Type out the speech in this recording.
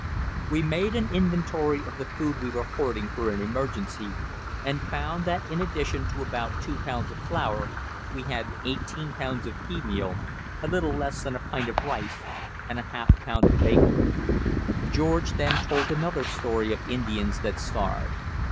We made an inventory of the food we were hoarding for an emergency, and found that in addition to about two pounds of flour, we had eighteen pounds of pea meal, a little less than a pint of rice, and a half a pound of bacon. George then told another story of Indians that starved.